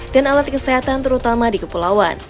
dan alat kesehatan terutama di kepulauan